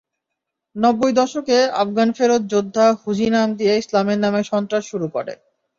নব্বই দশকে আফগানফেরত যোদ্ধা হুজি নাম দিয়ে ইসলামের নামে সন্ত্রাস শুরু করে।